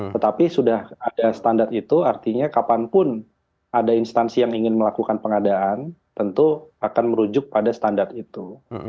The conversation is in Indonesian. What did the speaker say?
tetapi sudah ada standar itu artinya kapanpun ada instansi yang ingin melakukan pengadaan tentu akan merujuk pada standar itu